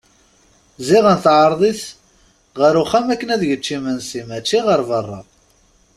Ziɣen teɛreḍ-it ɣer uxxam akken ad yečč imensi mačči ɣer berra.